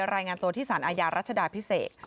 รายงานตัวที่สารอาญารัชดาพิเศษ